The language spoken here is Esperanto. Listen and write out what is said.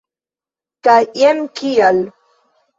Kaj jen kial!